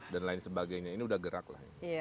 dan lain sebagainya ini udah gerak lah